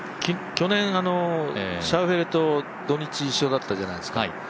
去年、シャウフェレと土日一緒だったじゃないですか。